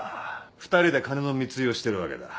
２人で金の密輸をしてるわけだ。